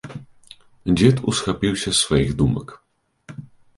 Дзед усхапіўся з сваіх думак.